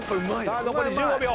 さあ残り１５秒。